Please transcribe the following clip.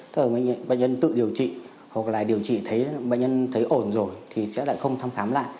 thường bệnh nhân tự điều trị hoặc là điều trị thấy bệnh nhân thấy ổn rồi thì sẽ lại không thăm khám lại